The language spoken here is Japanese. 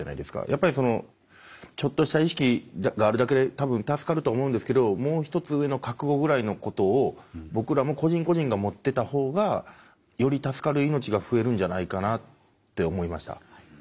やっぱりそのちょっとした意識があるだけで多分助かると思うんですけどもう一つ上の覚悟ぐらいのことを僕らも個人個人が持ってた方がより助かる命が増えるんじゃないかなって思いました。